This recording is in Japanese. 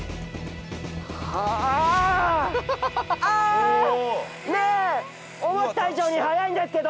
はぁー、あー思った以上に速いんですけど？